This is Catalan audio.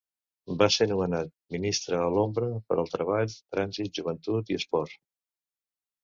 Va ser nomenat ministre a l'ombra per al Treball, Trànsit, Joventut i Esport.